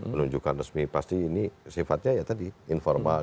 penunjukan resmi pasti ini sifatnya tadi informal